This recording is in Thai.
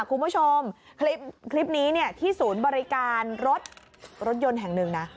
คุณผู้ชมคลิปนี้เนี่ยที่ศูนย์บริการรถรถยนต์แห่งหนึ่งนะ